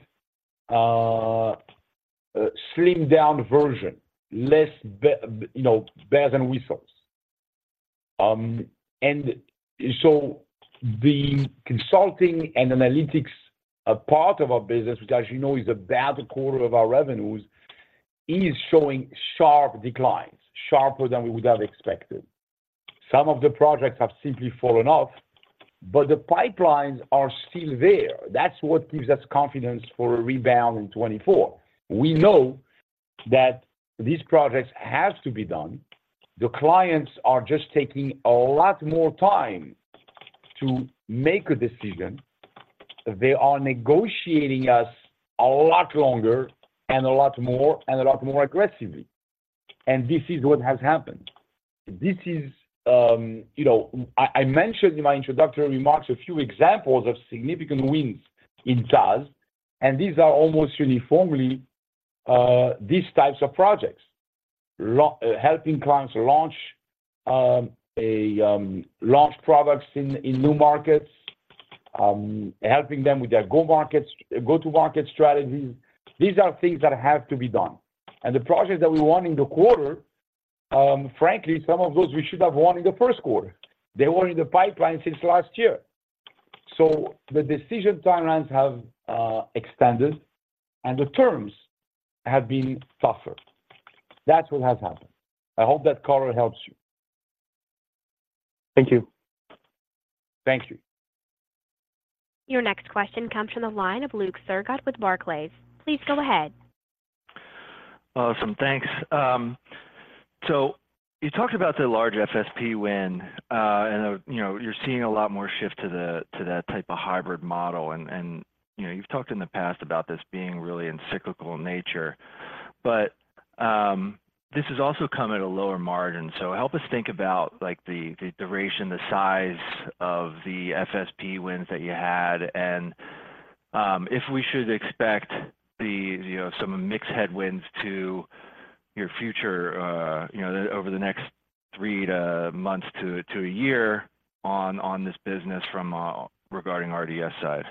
"slimmed down version," less bells and whistles, you know. And so the consulting and analytics part of our business, which, as you know, is about a quarter of our revenues, is showing sharp declines, sharper than we would have expected. Some of the projects have simply fallen off, but the pipelines are still there. That's what gives us confidence for a rebound in 2024. We know that these projects have to be done. The clients are just taking a lot more time to make a decision. They are negotiating us a lot longer and a lot more, and a lot more aggressively. And this is what has happened. This is... You know, I mentioned in my introductory remarks a few examples of significant wins in TAS, and these are almost uniformly these types of projects. Helping clients launch products in new markets, helping them with their go-to-market strategies. These are things that have to be done, and the projects that we won in the quarter, frankly, some of those we should have won in the first quarter. They were in the pipeline since last year. So the decision timelines have extended, and the terms have been tougher. That's what has happened. I hope that caller helps you. Thank you. Thank you. Your next question comes from the line of Luke Sergott with Barclays. Please go ahead. Awesome. Thanks. So you talked about the large FSP win, and, you know, you're seeing a lot more shift to the, to that type of hybrid model. And, and, you know, you've talked in the past about this being really in cyclical nature, but, this has also come at a lower margin. So help us think about, like, the, the duration, the size of the FSP wins that you had, and, if we should expect the, you know, some mixed headwinds to your future, you know, over the next three to months to, to a year on, on this business from, regarding RDS side.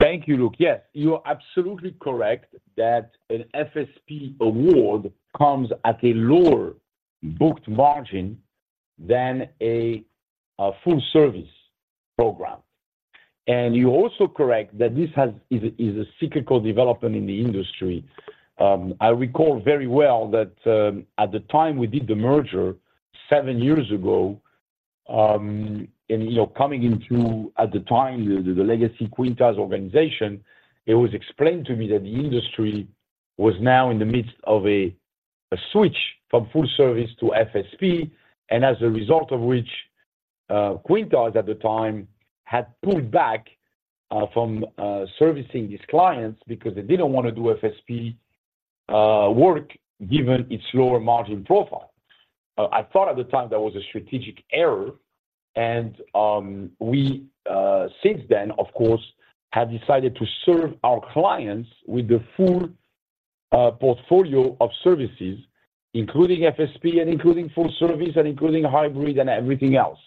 Thank you, Luke. Yes, you are absolutely correct that an FSP award comes at a lower booked margin than a full service program. You're also correct that this is a cyclical development in the industry. I recall very well that at the time we did the merger, seven years ago, and, you know, coming into, at the time, the legacy Quintiles organization, it was explained to me that the industry was now in the midst of a switch from full service to FSP. And as a result of which, Quintiles at the time had pulled back from servicing these clients because they didn't want to do FSP work, given its lower margin profile. I thought at the time that was a strategic error, and we, since then, of course, have decided to serve our clients with the full portfolio of services, including FSP and including full service, and including hybrid and everything else.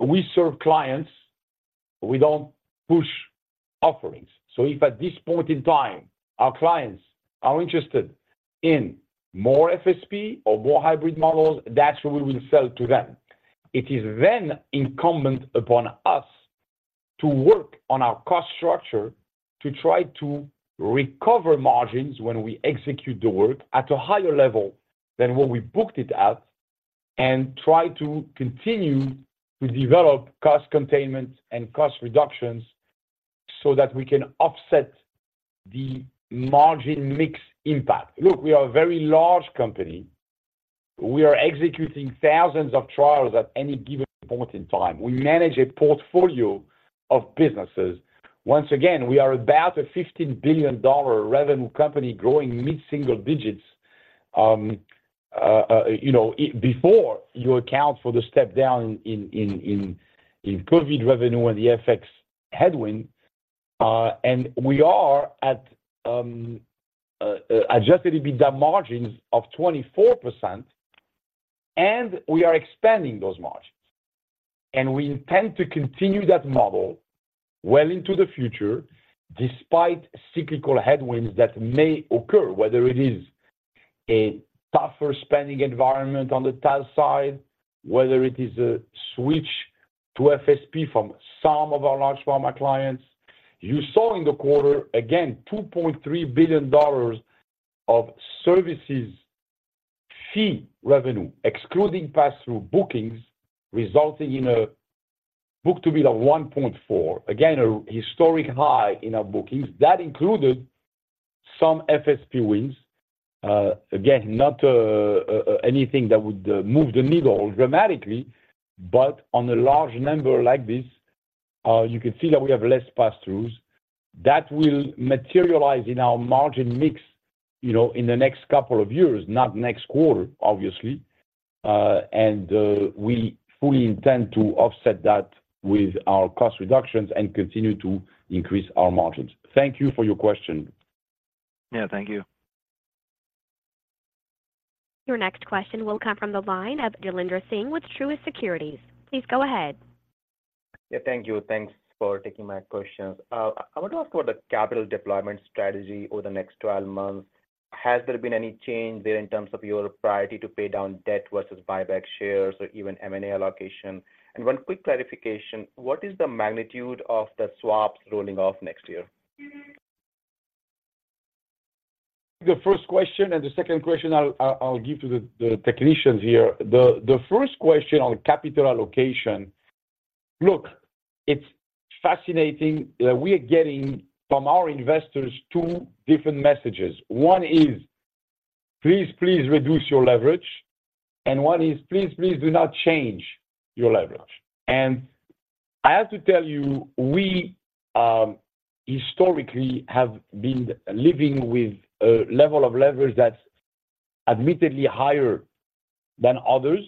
We serve clients, we don't push offerings. So if at this point in time, our clients are interested in more FSP or more hybrid models, that's what we will sell to them. It is then incumbent upon us to work on our cost structure to try to recover margins when we execute the work at a higher level than what we booked it at, and try to continue to develop cost containment and cost reductions so that we can offset the margin mix impact. Look, we are a very large company. We are executing thousands of trials at any given point in time. We manage a portfolio of businesses. Once again, we are about a $15 billion revenue company growing mid-single digits, you know, before you account for the step down in COVID revenue and the FX headwind. And we are at adjusted EBITDA margins of 24%, and we are expanding those margins. And we intend to continue that model well into the future, despite cyclical headwinds that may occur, whether it is a tougher spending environment on the tail side, whether it is a switch to FSP from some of our large pharma clients. You saw in the quarter, again, $2.3 billion of services fee revenue, excluding pass-through bookings, resulting in a book-to-bill of 1.4. Again, a historic high in our bookings. That included some FSP wins. Again, not anything that would move the needle dramatically, but on a large number like this, you can see that we have less pass-throughs. That will materialize in our margin mix, you know, in the next couple of years, not next quarter, obviously. We fully intend to offset that with our cost reductions and continue to increase our margins. Thank you for your question. Yeah, thank you. Your next question will come from the line of Jailendra Singh with Truist Securities. Please go ahead. Yeah, thank you. Thanks for taking my questions. I want to ask about the capital deployment strategy over the next 12 months. Has there been any change there in terms of your priority to pay down debt versus buyback shares or even M&A allocation? And one quick clarification: what is the magnitude of the swaps rolling off next year? The first question and the second question, I'll give to the technicians here. The first question on capital allocation, look, it's fascinating that we are getting from our investors two different messages. One is, "Please, please reduce your leverage," and one is, "Please, please, do not change your leverage." And I have to tell you, we historically have been living with a level of leverage that's admittedly higher than others.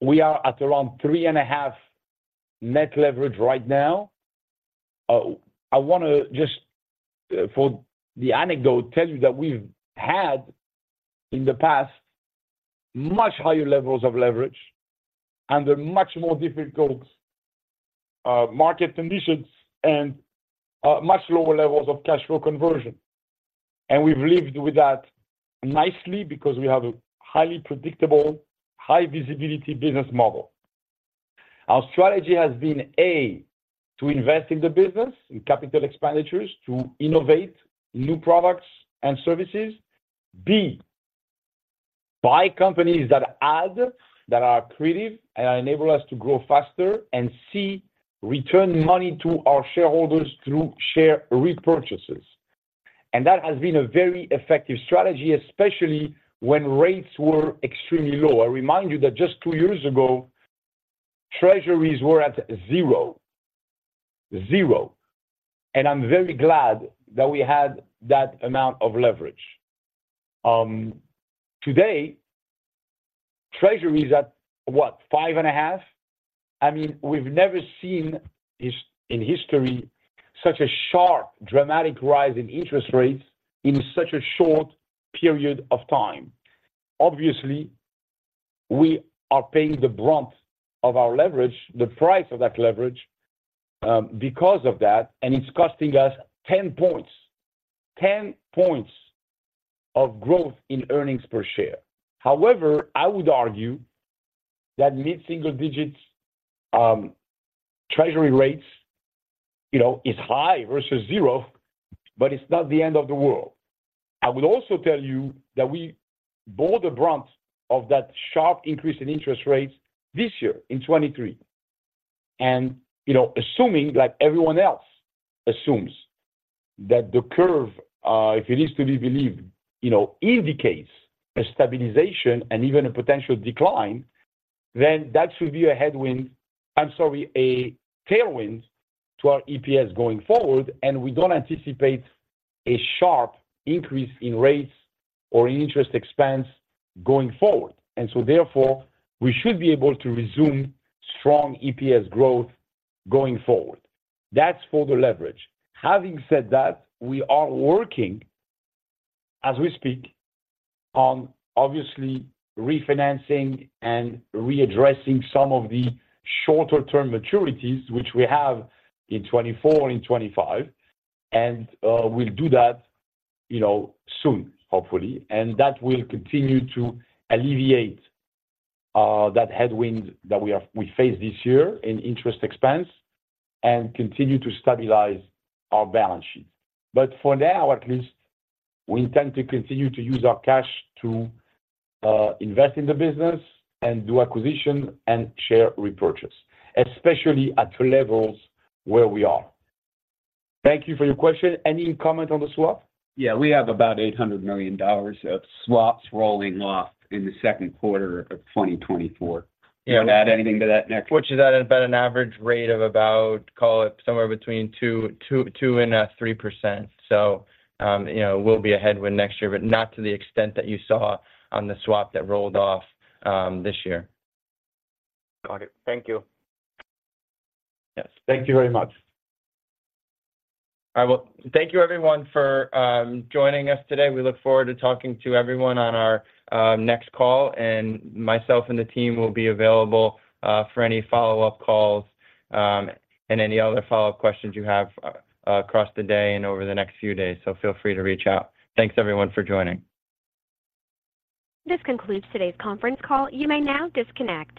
We are at around 3.5 net leverage right now. I want to just, for the anecdote, tell you that we've had, in the past, much higher levels of leverage under much more difficult market conditions and much lower levels of cash flow conversion. And we've lived with that nicely because we have a highly predictable, high visibility business model. Our strategy has been, A, to invest in the business, in capital expenditures, to innovate new products and services. B, buy companies that add, that are accretive and enable us to grow faster. And C, return money to our shareholders through share repurchases. And that has been a very effective strategy, especially when rates were extremely low. I remind you that just two years ago, Treasuries were at 0. 0. And I'm very glad that we had that amount of leverage. Today, Treasury is at, what? 5.5. I mean, we've never seen this in history, such a sharp, dramatic rise in interest rates in such a short period of time. Obviously, we are paying the brunt of our leverage, the price of that leverage, because of that, and it's costing us 10 points, 10 points of growth in earnings per share. However, I would argue that mid-single digits Treasury rates, you know, is high versus zero, but it's not the end of the world. I will also tell you that we bore the brunt of that sharp increase in interest rates this year, in 2023. And, you know, assuming, like everyone else assumes, that the curve, if it is to be believed, you know, indicates a stabilization and even a potential decline, then that should be a headwind, I'm sorry, a tailwind to our EPS going forward, and we don't anticipate a sharp increase in rates or in interest expense going forward. And so therefore, we should be able to resume strong EPS growth going forward. That's for the leverage. Having said that, we are working, as we speak, on obviously refinancing and readdressing some of the shorter-term maturities, which we have in 2024 and in 2025, and, we'll do that, you know, soon, hopefully. And that will continue to alleviate, that headwind that we faced this year in interest expense and continue to stabilize our balance sheet. But for now, at least, we intend to continue to use our cash to, invest in the business and do acquisition and share repurchase, especially at the levels where we are. Thank you for your question. Any comment on the swap? Yeah, we have about $800 million of swaps rolling off in the second quarter of 2024. To add anything to that next- Which is at about an average rate of about, call it somewhere between 2% and 3%. So, you know, we'll be a headwind next year, but not to the extent that you saw on the swap that rolled off this year. Got it. Thank you. Yes. Thank you very much. Thank you, everyone, for joining us today. We look forward to talking to everyone on our next call, and myself and the team will be available for any follow-up calls, and any other follow-up questions you have, across the day and over the next few days, so feel free to reach out. Thanks, everyone, for joining. This concludes today's conference call. You may now disconnect.